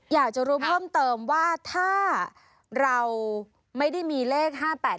อยากจะรู้เพิ่มเติมว่าถ้าเราไม่ได้มีเลข๕๘